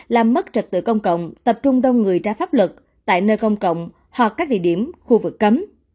làm mất trật tự công cộng tập trung đông người trái pháp luật tại nơi công cộng hoặc các địa điểm khu vực cấm